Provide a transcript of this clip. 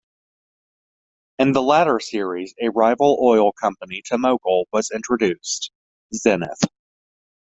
In the latter series, a rival oil company to Mogul was introduced - Zenith.